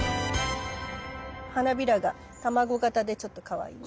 花びらが卵形でちょっとかわいいね。